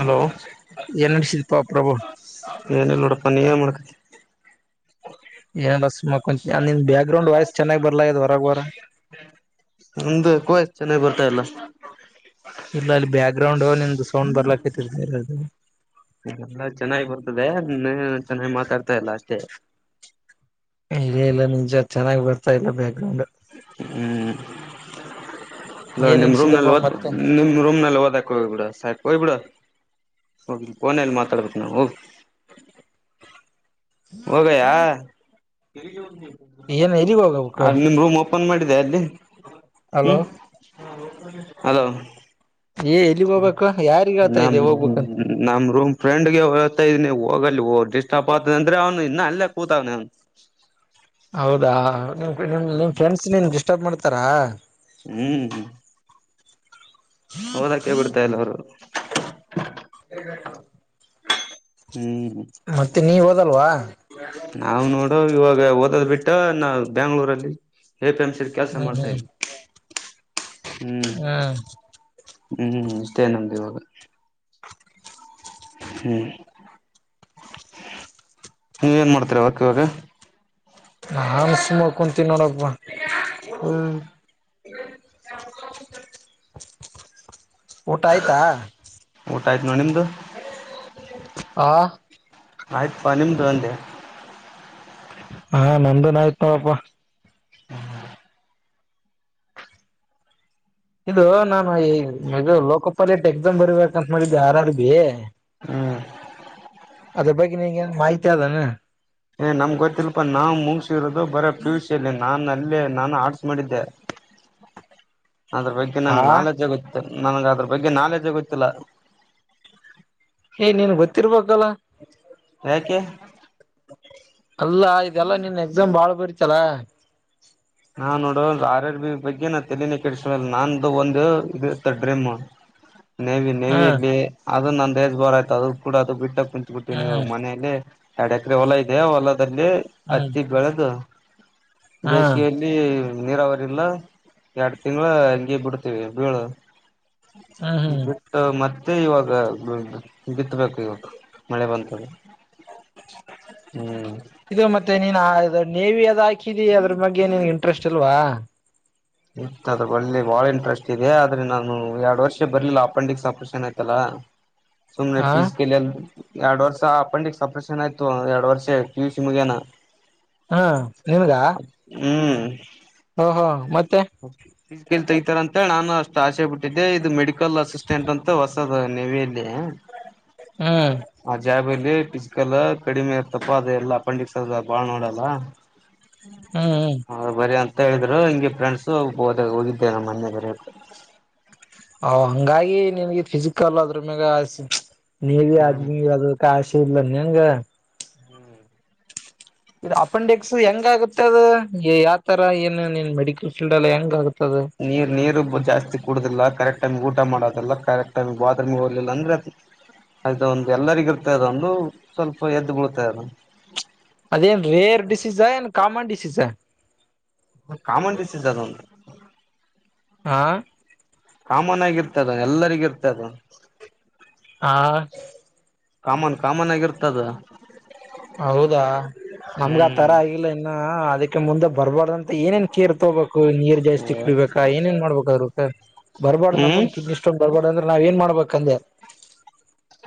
Hello, ಏನ್ ನಡಸಿದಪಾ ಪ್ರಭು ಏನಿಲ್ಲ ನೋಡು. [inaudible] ಹ, ನೀ, ಏನು, ಮಾಡ್ಕತಿ? [inaudible] ಏನಿಲ್ಲ ಸುಮ್ನೆ ಕುಂತಿ ನೀನು, ಬ್ಯಾಗ್ರೌಂಡ್ ವಾಯ್ಸ್ ಚೆನ್ನಾಗಿ ಬರ್ಲಾ ಇದು, ಗೋರಾ, ಗೋರಾ. [inaudible] ನಮ್ದು ಕವತ್ ಚೆನ್ನಾಗಿ ಬರ್ತಾ ಇಲ್ಲ ಇಲ್ಲ ಅಲ್ಲಿ ಬ್ಯಾಕ್ ಗ್ರೌಂಡ್ ನಿಮ್ದು ಸೌಂಡ್ ಬರ್ಲಾಕ್ತಿರ್ ಅದು ಇಲ್ಲ ಚೆನ್ನಾಗಿ ಬರ್ತದೆ ಇನ್ನ ಚೆನ್ನಾಗಿ ಮಾತಾಡ್ತಾ ಇಲ್ಲ ಅಷ್ಟೇ ಇೇ ಇಲ್ಲ ನಿನ್ಜ ಚೆನ್ನಾಗಿ್ ಬರ್ತಾ ಇಲ್ಲ ಬ್ಯಾಕ್ ಗ್ರೌಂಡ್ ಏನ್ ಹ್ಮ್ ರೂಮ ನಡಸಿದಪ್ಪ ನಲ್ಲಿ ಮತ್ತೆ ನಿ ರೂಮ ನಳೆ ಕ ಬಿ ಸ ಕ ಬಿಡ ಹಓಕೆ ಫೋನಲ್ಲಿ ಮಾತಾಡ್ಬೇಕು ನಾವು ಓಕೆ ಹೋಗಯ ಏನ್ ಎಲ್ಲಿಗ್ ಹೋಗ್ಬೇಕು ನಿಮ್ ರೂಮ್ ಓಪನ್ ಮಾಡ ದೆ ಅಲ್ಲಿ ಹಲೋ ಅಲ ಏ ಎಲ್ಲಿಗ್ ಹೋಗ್ಬೇಕು ಯಾರಿಗ್ ಹೇಳ್ತಾ ನ್ ಇದೆ ಹೋಗ್ಬೇಕಂತ ನಮ ರೂಮ್ ಫ್ರೆಂಡ್ಗೆ ಹತಾ ಇದ ನೀವು ಹೋಗಲ್ಲಿ ರ್ ದಿಸ್ಟಾಪ್ ಆತದ ಅಂದ್ರೆ ಅವ್ನು ಇನ್ನ ಅಲ್ಲೇ ಕೂತವ್ನ ಅವನು ಹೌದಾ ನಿಮ ನಿಮ್ ಫ್ರೆಂಡ್ಸ್ ನೀನ್ ಡಿಸ್ಟರ್ಬ್ ಮಾಡ್ತಾರಾ ಹ್ಮ್ ಹ್ಮ್ ಓದಕ್ಕೆ ಬಿಡ್ತಾ ಇಲ್ಲ ಅವರು ಹ ಹ್ಮ್ ಮತ್ತೆ ನೀವ್ ಹೋದಲ್ವಾ ನಾವ್ ನೋಡುೋ ಇವಾಗ ಓದೋದ್ ಬಿಟ್ಟ ನಾ ಬ್ಯಾಂಗ್ಳೂರಲ್ಲಿ ೇ ಪ್ರೇಮ್ಸೇರ್ ಕೆಲಸ ಮಾಡ್ತಾ ಇದರಿ ಹಾ ಹ್ಮ್ ಇಷ್ಟೇ ನಮ್ದು ಇವಾಗ ಹ್ಮ್ ನೀವ ಏನ್ ಮಾಡ್ತೀರ ವರ್ಕ್ ಇವಾಗ ನಾನ್ ಸುಮ ಕುಂತೀನಿ ನೋಡಬ್ಬ ಹ್ಮ್ ಹ ಊಟ ಆಯ್ತಾ ಊಟ ಆಯ್ತ್ ನೋ ನಿಮ್ದು ಹ ಆಯ್ತು ಪನಿಮ ತಂದೆ ಹಾ ನಮಂದನ್ ಆಯ್ತ ನಾವಪ್ಪ ಹ್ಮ ಹ್ಮ ಇದು ನಾನು ಈಗ ಲೋಕಪಾಲೆಟ್ ಎಕ್ಸಾಮ್ ಬರಬೇಕಂತ ಮಾಡಿದ್ದೆ ಯಾರಾರ್ದ ಹ್ಮ್ ಬಗ್ಗೆ ಮಾಹಿತಿ ಅದಾನನೆ ಏ ನಮ್ಗ್ ಗೊತ್ತಿಲ್ಪಾ ನಾ್ ಮುಗಸಿರೋದು ಬರ ಪಿುಷಲ್ಲಿ ನಾನ್ ಅಲ್ಲಿ ನಾನು ಆರ್ಟ್ಸ್ ಮಾಡಿದ್ದೆ ಅದ್ರ ಬಗ್ಗೆ ಆ ನನ್ ನಾಲೆಜ್ ಆಗುತ್ತೆ ನನಗ ಅದ್ರ ಬಗ್ಗೆ ನಾಲೆಜ ಗೊತ್ತಿಲ್ಲ ಏ್ ನೀನ್ ಗೊತ್ತಿರ್ಬಲ್ಲ ಹಕ್ಕೆ ಅಲ್ಲ ಇದೆಲ್ಲಾ ನಿನ್ ಎಕ್ಸಾಮ್ ಬಾಳ್ ಬರ್ತಲ್ಲ ನಾ ನೋಡ ಆರ್ ಆರ್ ಬಿ ಬಗ್ಗೆ ನಾ ತಲನ ಕೆಿಸಿಲ್ಲ ನಾ್ದು ಒಂದು ಇದ ಇರ್ತ್ತ ಡ್ರೀಮ್ ನೇವಿ ಹ್ಮ್ ನೇವಿಯಲ್ಲಿ ಅದು ನನ್ ದೇಸ್ ಬರ್ ಆಯತು ಅದ ಕೂಡ ಅದು ಬಿಟ್ಟ ಕುಂತ್ ಬಿಟ್ಟೀ ನೀವಾಗ ಹ್ಮ್ ಮನೆಯಲ್ಲಿ ಎಡ ಎಕ್ರ ಹೊಲ ಇಯ ಹೊಲದಲ್ಲಿ ಹತ್ತಿಗ್ ಬೆಳೆದು ಹಾ ನೀರಾವರಿಲ್ಲ ಎರಡ್ ತಿಂಗಳ ಹಂಗಗೆ ಬಿಡ್ತೀವಿ ಬೀಳು ಹ್ಮ್ ಹ್ಮ್ ಬಿಟ್ಟ ಮತ್ತೆ ತ್ತ ಇವಾಗ ಬಿತ್ಬೇಕು ಇವತ್ತು ಮಳೆ ಬಂತಾಗ ಇದು ಮತ್ತೆ ನೀನ್ ನೀವಿ ಅದ್ ಹಾಕಿದಿ ಅದ್ರ ಬಗ್ಗೆ ನಿನ್ಗೆ ಇಂಟ್ರೆಸ್ಟ್ ಅಲ್ವಾ ಇ ಅದ್ರ ಬಲ್ಲಿ ಬಾಳ ಇಂಟ್ರೆಸ್ಟ್ ಇದೆ ಆದ್ರೆ ನಾನು ಎರಡ್ ವರ್ಷ ಬರ್ಲಿಲ್ಲ ಅಪೆಂಡಿಕ್ಸ್ ಆಪ್ರೇಷನ್ ಆಯ್ತಲ್ಲಾ ಹ ಸುಮನೆಫೀಸ್ಕ ಎರಡ್ ವರ್ಷ ಅಪೆಂಡಿಕ್ ಸಪ್ರೇಷನ್ ಆಯ್ತು ಎರಡ್ ವರ್ಷ ಪಿ ಯು ಸಿ ಮುಗೇನ ಹಾ ನಿನ್ಗ ಹ ಹಾ ಮತ್ತೆ ತಗತಾರ ಅಂತ ನಾನು ಅಷ್ಟ್ ಆಶೆ ಬಿಟ್ಟಿದ್ದೆ ಇದು ಮೆಡಿಕಲ್ ಅಸಿಸ್ಟೆಂಟ್ ಅಂತಸ್ತ ನವಲ್ಲಿ ಹ್ಮ್ ಆ ಜಾಬಲ್ಲಿ ಮಿಸಲ್ ಕಡಿಮೆ ಇರ್ತಪ್ಪ ಅದೆ ಎಲ್ಲಾ ಪಂಡಿತ್ ಸರ್ ಬಾಳ್ ನೋಡಲ್ಲ ಹ್ಮ್ ಹ್ಮ್ ಹ ಬರಿ ಅಂತ ಹೇಳಿದ್ರು ಹಿಂಗೆ ಫ್ರೆಂಡ್ಸ ಹದ ಹೋಗಿದ್ದೆ ನಮ್ಮ ಮೆ ಬರ ಹಂಗಾಗಿ ನಿನ್ಗೆ ಫಿಸಿಕಲ್ ಅದ್ರ ಮ್ಯಾಗ ಸಿಕ್ತ ನೀವಿ ಹ್ಮ್ ಆದ್ಮ ಯ್ದ ಕಶಿ ಇರ್ಲ ಹೆಂಗ ಇ ಅಪೆಂಡಿಕ್ಸ್ ಹೆಂಗ ಆಗುತ್ತೆ ಅದು ಯಾವ ತರ ಏನುನ್ ಮೆಡಿಕಲ್ ಫೀಲ್ಡ್ ಅಲ್ಲ ಹೆಂಗ ಆಗುತ್ತೆ ಅದು ನೀರ್ ನೀರುಬ್ಬು ಜಾಸ್ತಿ ಕುಡದಿಲ್ಲ ಕರೆಕ್ಟ್ ಟೈಮ್ ಊಟ ಮಾಡೋದಿಲ್ಲ ಕರೆಕ್ ಟೈಮ್ ಬಾತ್ರೂಮಗೆ ಹೋಗಲಿಲ್ಲ ಅಂದ್ರ ಅದು ಅದು ಒಂದು ಎಲ್ಲರಿಗಿ ಇರ್ತ ಅದೊಂದು ಸ್ವಲ್ಪ ಎದ್ದು ಬಳ್ತೆ ಅದು ಅದೇನ್ ರೇರ್ ಡಿಸೀಸ್ ಏನ್ ಕಾಮನ್ ಡಿಸೀಸ್ ಕಾಮನ್ ಡಿಸೀಜ ಅ ನ ಹಾ ಕಾಮನ್ ಆಗಿರ್ತದ ಎಲ್ಲರಿಗಿರ್ತದೆ ಹಾ ಕಾಮನ್ ಕಾಮನ್ ಆಗಿರ್ತದ ಹೌದಾ ನಮಗ ಆ ಹ್ಮ್ ತರ ಆಗಿಲ್ಲ ಇನ್ನ ಅದಕ್ಕೆ ಮುಂದೆ ಬರ್ಬಾರ್ದಂತ ಮತ್ತ ಏನೇನ್ ಕೀರ್ ತಗೋಬೇಕು ನೀರ್ ಜಾಸ್ತಿ ಕುಳಬೇಕಾ ಏನೇನ್ ಮಾಡ್ಬೇಕ್ಪ ಬರ್ಬಾರ್ದ ಹ್ಮ್ ನಮನ್ ಕಿಡ್ನ ಇ ಸೊಡ್ ಬರ್ಬಾರ್ದ ಅಂದ್ರೆ ನಾವ್ ಏನ್ ಮಾಡ್ಬೇಕಂದೆ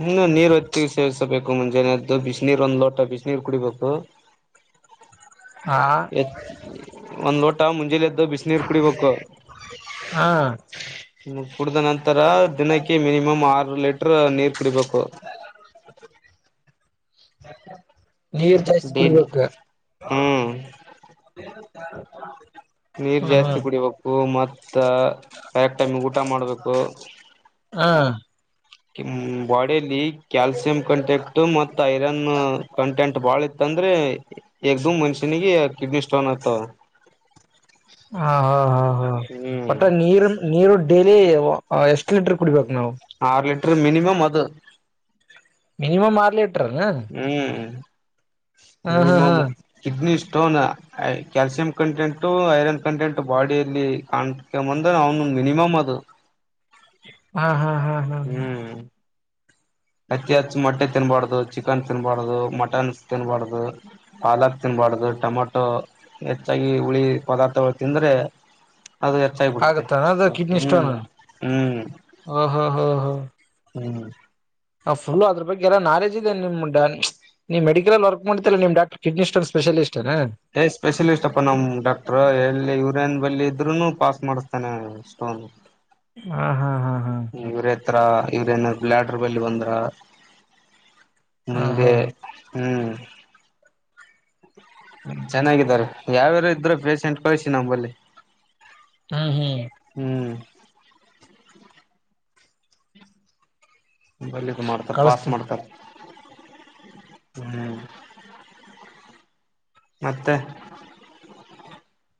ಹ್ಮ್ ನೀರ್ ಹೊತ್ತಿಗೆ ಸೇವಿಸಬೇಕು ಮುಂಜಾನದ್ದು ಬಿಸಿನೀರ್ ಒಂದ್ ಲೋಟ ಬಿಸಿನೀರ್ ಕುಡಿಬೇಕು [inaudible] ಎ ಒಂದ್ ಲೋಟ ಮುಂಜೆಲಿ ಎದ್ದು ಬಿಸಿನೀರು ಕುಡಿಬೇಕು ಹಾ ಹ ಕುಡ್ದ ನಂತರ ದಿನಕ್ಕೆ ಮಿನಿಮಮ್ ಆರು ಲಟ್ರ ನೀರ್ ಕುಡಿಬೇಕು ನೀರ್ ಜಾಯ ಡೈಲಿ ಕುಡ್ಬೇಕ ಹ ಹ್ಮ್ ನೀರ್ ಜಾಸ್ತಿ ಕುಡಿಬೇಕು ಮ ರೆಕ್ ಟೈಮಿಗೆ ಊಟ ಮಾಡ್ಬೇಕು ಹಾ ಬಾಡಿಯಲ್ಲಿ ಕ್ಯಾಲ್ಸಿಯಂ ಕಂಟೆಂಟ್ ಮತ್ತು ಐರನ್ ಕಂಟೆಂಟ್ ಬಾಳ ಇತ್ತ ಅಂದ್ರೆ ಎಗ್ದ ಮನ್ಷ್ಯನಿಗೆ ಕಿಡ್ನಿ ಸ್ಟೋನ್ ಆತವ ಹ ಹಾ ಹಾ ಹಾ ಹ್ಮ್ ಒಟ್ಟ ನೀರ್ ನೀರು ಡೇಲಿ ಎಷ್ಟ್ ಲೀಟರ್ ಕುಡಿಬೇಕು ನಾವು ಮಿನಿಮಮ ಅದು ಮಿನಿಮಮ್ ಮಾರಲಿ ಹ್ಮ್ ಹಾ ಹಾ ಮಿನಿಮಮ್ ಹಾ kidney stone calcium content iron content ಬಾಡಿಯಲ್ಲಿ ಕಾಣ್ಕೊ ಬಂದ ಅವನು ಮಿನಿಮಮ್ ಅದು ಹಾ ಹಾ ಹಾ ಹಾ ಹಾ ಹ್ಮ್ ಅತಿ ಹೆಚ್ಚು ಮೊಟ್ಟೆ ತಿನ್ಬಾರ್ದ ಚಿಕನ್ ತಿನ್ಬಾರ್ದದು ಮಟನ್ ತಿನ್ಬಾರ್ದು ಹಲಾದ್ ತಿನ್ಬಾರ್ದು ಬಾರ್ದು ಟೊಮೆಟೊ ಹೆಚ್ಚಾಗಿ ಹುಳಿ ಪದಾರ್ಥಗಳು ತಿಂದ್ರೆ ಅದು ಹೆಚ್ಚಾಗಿ [inaudible] ಬಿಡುತ್ತೆ ಆಗತ್ತಾನ ಅದ ಕಿಡ್ನಿ ಹ್ಮ್ ಸ್ಟೋನ್ ಹ್ಮ್ ಹ ಹ ಹ ಹ ಹ್ಮ್ ಹ ಫುಲ್ ಅ್ರ ಬಗ್ಗೆಲ್ಲ ನಾಲೇಜ್ ಇದೆ ನಿಮ ನೀವು ಮೆಡಿಕಲ್ಲ್ಲಿ ವರ್ಕ್ ಮಾಡ್ತಲ್ಲ ನಿಮ ಡಾಕ್ಟರ್ ಕಿಡ್ನಿಷ್ಟೊನ್ ಸ್ಪೆಷಲಿಸ್ಟ್ ಏ ಸ್ಪೆಷಲಿಸ್ಟ್ ಅಪ್ಪ ನಮ್ ಡಾಟ್ರ ಎಲ್ಲಿ ಇ ಟ್ರೈನ್ ಬಲ್ಲಿ ಇದ್ರು ಪಾಸ್ ಮಾಡಿಸ್ತಾನೆ ಅಷ್ಟೋ ಹಾ ಹಾ ಹಾ ಹಾ ಇವ್ರ ಹತ್ರ ಇವ್ರೇಏನಾದ್ರು ಬ್ಲ್ಯಾಡರ್ ಬಲ್ಲಿ ಬಂದ್ರ ಹಾ ಹಾ ಮುಂದೆ ಹ್ಮ್ [inaudible] ಚೆನ್ನಾಗಿದ್ದಾರೆ ಯಾವ್ಯಾರು ಇದ್ರೂ ಪೇೇಶೆಂಟ್ ಕಳಿಸಿ ನಂಬಲ್ಲಿ ಹ್ಮ್ ಹ್ಮ್ ಹ್ಮ್ ಬಲ್ಲದು ಮಾಡ್ತಾರ ಪಾಸ್ ಕಳಸ್ತೇನಿ ಮಾಡ್ತಾರ ಹ್ಮ್ ಮತ್ತೆ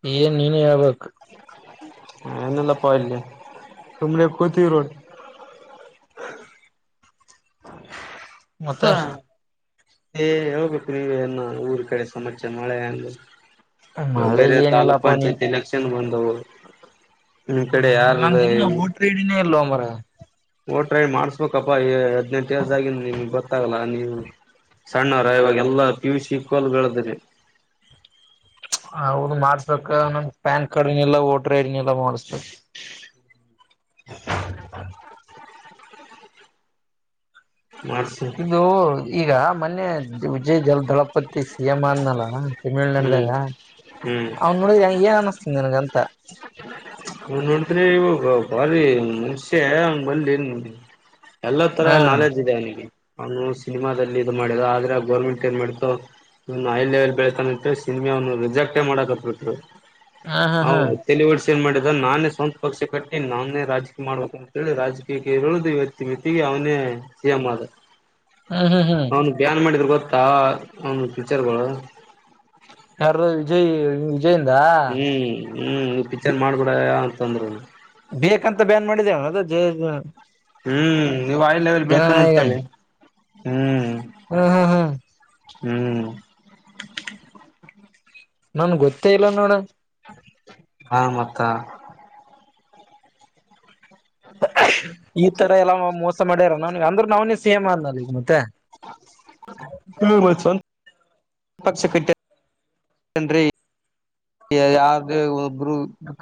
ಹೆನ್ ನೀನೇ ಹೇಳ್ಬೇಕು ಏನಿಲ್ಲಪ್ಪ ಇಲ್ಲಿ ಸುಮ್ನೆ ಕೊತಿವಿ ನೋಡು [inaudible] ಮತ್ತೆ ಹೇಳಬೇಕ್ಲೇ ಅನ್ನ ಊರ್ ಕಡೆ ಸಮಚ್ಯ ಮಳೆ ಅಂದು ಮಳೆ ಬೇರೆ ತಾಲೂಕ್ ಏನಿಲ್ಲಪ್ಪಾ ನೀನ್ ಪಂಚಾಯತ್ ಎಲೆಕ್ಷನ್ ಬಂದವು ನಿಮ್ ಕಡೆ ಯಾರ್ದ ನಂದಿನ್ನ ವೋಟರ್ ಐಡಿ ಇಲ್ಲ ಮಾರಾಯ ಓಟ್ರೈ ಮಾಡ್ಸ್ಬೇಕಪ್ಪಾ ಹದ್ನೆಂಟು ಏಜ್ ಆಗಿದೆ ನಿಮ್ಗೆ ಗೊತ್ತಾಗಲ್ಲ ನೀವು ಸಣ್ಣವ್ರ ಇವಾಗ ಎಲ್ಲಾ ಪಿ ಯು ಸಿ ಸ್ಕೂಲ್ ಗಳದ್ರರಿ [inaudible] ಹೌದು ಮಾಡ್ಸ್ಬೇಕ ನಮ ಪ್ಯಾನ್ ಕಾರ್ಡ್ನಲ್ಲ ವೋಟ್ರ ಐಡ್ನಲ್ಲ ಮಾಡಸ್ಬೇಕು [inaudible] ಮಾಡ್ಸಿ ಇದು ಈಗ ಮೊನ್ನೆ ವಿಜಯ್ ಜಲ್ ದಳಪತಿ ಸಿಎಂ ಅನ್ನಲ್ಲ ತಮಿಳ್ನಾಡ ಹ್ಮ್ ಹ್ಮ್ ಅವನ್ ನೋಡಿದ ಏನ್ ಅನಸ್ತನ್ ನನ್ಗಂತ ಹ ನಿಂತ ಬೀ ಮುನ್ಷ್ಯ [unintelligible] ಎಲ್ಲ ತರ ಹ ನಾಲೆಜ್ ಇದೆ ಅವನು ಸಿನಿಮಾದಲ್ಲಿ ಇದು ಮಾಡಿದ ಆದ್ರೆ ಆ ಗರ್ಮೆಂಟ್ ಏನ್ ಮಾಡತೋ ಇ ಹೈ ಲೆವೆಲ್ ಬೆಳತಾನ ಸಿನಿಮೆ ರಿಜೆಕ್ಟೇ ಮಾಡಕ ಬಿಟ್ರು ಹ ಹಾ ಹಾ ಹ್ಮ್ ತಳುವ ಸಿನಿಮಾ ಅದನ್ನ ನಾನೇ ಸ್ವಂತ ಪಕ್ಷ ಕಟ್ಟಿ ನಾವನ್ನೇ ರಾಜಕೀಯ ಮಾಡ್ಬೇಕ ಅಂತಿ ರಾಜಕೀಯಕ್ಕೆ ಇರುಳುದು ವ್ಯತಿ ಮತಿಗೆ ಅವನೇ ಸಿ ಏಮ್ ಆದ ಹ್ಮ್ ಹ್ಮ್ ಅವನು ಬ್ಯಾನ್ ಮಾಡಿದ್ರ ಗೊತ್ತ ಅವನ್ ಪಿಚರ್ಗಳು ಯಾರ ವಿಜಯ್ ವಿಜಯಿಂದ ಹ್ಮ್ ಹ್ಮ್ ಈ ಪಿಕ್ಚರ್ ಮಾಡ್ಕೂಡ ಅಂತಂದ್ರರು ಬೇಕಂತ ಬ್ಯಾನ್ ಮಾಡಿದವ ಅದ ಹ್ಮ್ ನೀವು ಹೈ ಲೆವೆಲ್ ಬೆಳ್ತಾನ ಹೋಗಡ್ತವೆ ಹ್ಮ್ ಹ್ಮ್ ಹ್ಮ್ ಹ್ಮ್ ಹ್ಮ್ ನನ್ ಗೊತ್ತೇ ಇಲ್ಲ ನೋಡ ಹಾ [unintelligible] ಹ ಈ ತರ ಎಲ್ಲಾ ಮೋಸ ಮಾಡ್ಯಾರ ನನ್ಗೆ ಅಂದ್ರೆ ನಾವನೇ ಸಿಎಮ ಅನ್ನ ಈಗ ಮತ್ತೆ ಪಕ್ಷ ಕಟ್ಟ ಹೆನ್ರಿ ಯಾರದೇ ಒಬ್ಬರು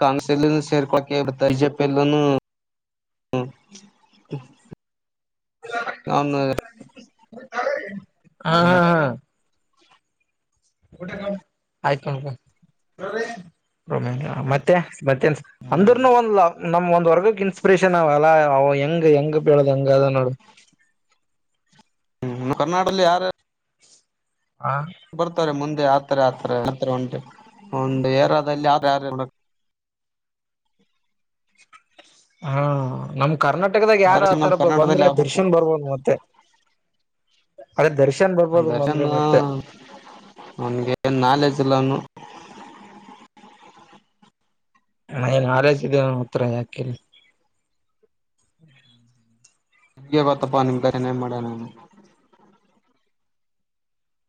ಕಾಂಗ್ರೆಸ್ ಎಲ್ಲೂ ಸೇರ್ಕೊಳ್ಳಳಕೆ ಬ ಬಿಜೆಪಿಯಲ್ಲೂ ಹ್ಮ ರಾಮನಗರ ಹಾ ಹಾ ಹಾ ಆಯ್ತು ಮತ್ತೆ ಮತ್ತೆನ್ ಅಂದ್ರನು ಹ್ಮ್ ಒಂದ್ಲ ನಮ್ ಒಂದ್ ವರ್ಗಕ್ ಇನ್ಸ್ಪಿರೇಷನ್ ಅವಲ್ಲ ಅವ ಹೆಂಗ ಹೆಂಗ ಬದ ಹಂಗ ಅದ ನೋ [inaudible] ಹ್ಮ ನ ಕರ್ನಾಟಲ್ಲಿ ಯಾರ ಹ ಬರ್ತಾರೆ ಮುಂದೆ ಆತರ ಆತರ ಅತರ ಉಂಟೆ [unintelligible] ಹಾ ನಮ್ ಕರ್ನಾಟಕದಾಗ ಯಾರ ಆತರ ನಮ್ ಬ ಕರ್ನಾಟಕದಲ್ಲಿ ಬಂದ್ರ ಆಗ್ಬೇಕು ದರ್ಶನ್ ಬರ್ಬೋದು ಬೋತೆ ಅದೇ ದರ್ಶ ಅ ದರ್ಶನ ಅವಂಗೆ ನಾಲೇಜ್ ತಿಲನು ಎ ನಾಲೇಜ್ ಇದೆ ನನ್ನ ಹತ್ರ ಯಾಕೆ ನಿಮ್ಗೆ ಗೊತ್ತಾಪಾ ನಿಮ ಧರೆನ್ ಏನ್ ಮಾಡ್ಯಾನ.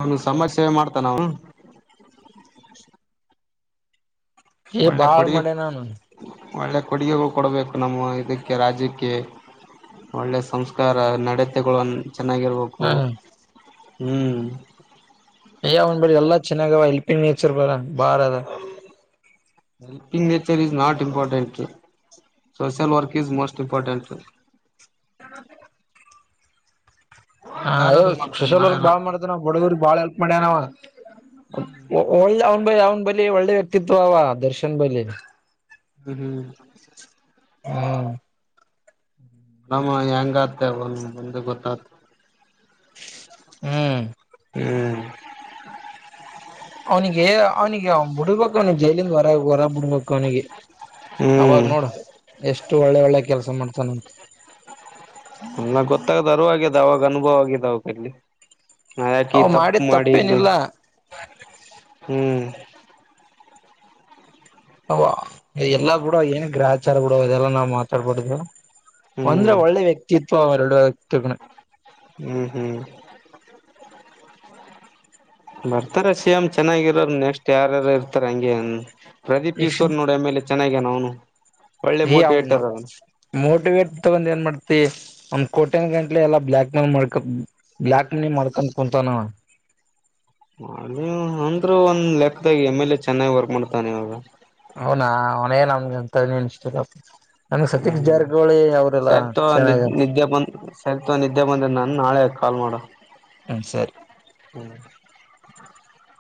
ಅವನ್ ಸಮಜ ಸೇವೆ ಮಾಡ್ತಾನ ಅವ್ನು ಏ ಒಳ್ಳೆ ಬಾಳ್ ಕೊಡಗೆ ಮಾಡ್ಯನ ಅವನು ಒಳ್ಳೆ ಕೊಡುಗೆಗಳು ಕೊಡಬೇಕು ನಮ್ಮ ಇದಕ್ಕೆ ರಾಜ್ಯಕ್ಕೆ ಒಳ್ಳೆ ಸಂಸ್ಕಾರ ನಡತೆಗೋಳನ್ನ ಚೆನ್ನಾಗಿರ್ಬೇಕು. ಹ್ಮ್ ಹ್ಮ. ಚೆನ್ನಾಗ ಆವಾ ಎಲ್ಪಿಂಗ್ ನಚರ್ ಬರ ಬಾರ ಅದ. Helping nature is not important. Social work is most important. ಹ ಹೆಲ್ಪ್ ಯ ಯಾರಾದ್ರು ಮಾಡ್ತಾರೆ ಸೋಶಯಲ್ ನಾಳೆ ವರ್ಕ್ ಬಾಳ ರೊಕ್ ಮಾಡತನ ಆವಾ ಬಡವರಿಗ ಬಾಳ ಹೆಲ್ಪ ಮಾಡ್ಯನವ. ಹ್ಮ್ ಒಳ್ಳೆ ಅವ್ನ ಬ ಅವ್ನ ಬಲಿ ಒಳ್ಳೆ ವ್ಯಕ್ತಿತ್ವ ಅವ ದರ್ಶನ್ ಬಲಿ ಹ್ಮ. ಹ್ಮ. ಹಮ್ಮ ಹೆಂಗ ಆತ ಅವ ಬಂದ ಗೊತ್ತ ಹ್ಮ. ಹ್ಮ. ಅವನಿಗೆ ಅವನಿಗೆ ವ ಬಿಡ್ಬೇಕ ಅವ್ನಿಗೆ ಜೈಲಿಂದ ಹೊರ ಹೊರಗ ಬಿಡ್ಬೇಕ ಅವ್ನಿಗೆ ಅವಾಗ ಹ್ಮ್ ನೋಡು ಎಷ್ಟು ಒಳ್ಳೆ ಒಳ್ಳೆ ಕೆಲ್ಸ ಮಾಡ್ತಾನ. ಅನ್ನ ಗೊತ್ತದ ಅರುವಾಗಿದ ಅವಾಗ ಅನುಭವ ಆಗಿದ ಅವಾಗಲ್ಲಿ ನಾ ಯಾಕಿ ಈ ಅವ್ ತಪ್ಪು ಮಾಡಿದ ಮಾಡಿ ತಪ್ಪೇನಿಲ್ಲ ಹ್ಮ ಅವ ಎಲ್ಲಾ ಬಿಡ ಏನ ಗ್ರಹಚಾರ ಬಿಡ ಇದೆಲ್ಲಾ ನಾವ್ ಮಾತಾಡಬಾರ್ದು. ಹ್ಮ್ ಒಂದ್ರ ಒಳ್ಳೆ ವ್ಯಕ್ತಿತ್ವ ಅವ ಎರಡು ವ್ಯಕ್ತ ಹ್ಮ ಹ್ಮ. ಬರ್ತಾರ ಸಿ ಎಂ ಚೆನ್ನಾಗಿರೋರ ನೆಕ್ಸ್ಟ್ ಯಾರರ ಇರ್ತಾರ ಹಂಗೆನ್ ಪ್ರದೀಪ್ ಈಶ್ವರ್ ನೋಡ ಎಂಲೆ ಚೆನ್ನಾಗ್ಯನ ಅವನು ಒಳ್ಳೆ ಎ ಅವನ ಮೋಟಿವೇಟರ್ ಅವನು ಮೋಟಿವೇಟ್ ತಗೊಂಡ್ ಏನ್ ಮಾಡ್ತ ತಿ ಒಂದ ಕೋಟ್ಯನ ಗಂಟ್ಲೆ ಎಲ್ಲಾ ಬ್ಲ್ಯಾಕ್ ಮನಿ ಮಾಡ್ಕ ಬ್ಲಾಕ್ ಮನಿ ಮಾಡ್ಕಂದ ಕುಂತಾನ. [inaudible] ಅಂದ್ರು ಒಂದ್ ಲೆಕ್ಕದಾಗ ಎಮ್ ಎಲ್ ಎ ಚೆನ್ನಾಗ ವರ್ಕ್ ಮಾಡ್ತಾನ ಇವಾಗ. ಅವನಾ ಅವನೇ [unintelligible] ಹ್ಮ ಜಾರಕಿಹೊಳಿ ಅವರೆಲ್ಲಾ ಸರಿ ತೊ ಚೆನ್ನಾಗಿ ನಿದ್ದೆ ಬಂತ್ ಸರಿ ತೊ ನಿದ್ದೆ ಬಂದನ ನಾಳೆ ಕಾಲ್ ಮಾಡ. ಹ್ಮ ಸರಿ [inaudible]